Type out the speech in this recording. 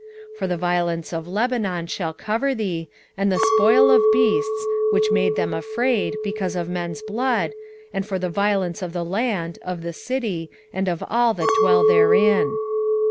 2:17 For the violence of Lebanon shall cover thee, and the spoil of beasts, which made them afraid, because of men's blood, and for the violence of the land, of the city, and of all that dwell therein.